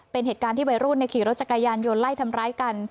เป็นเหตุการณ์ที่วัยรุ่นขี่รถจักรยานยนต์ไล่ทำร้ายกัน